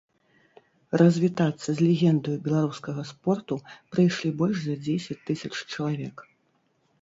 Развітацца з легендаю беларускага спорту прыйшлі больш за дзесяць тысяч чалавек.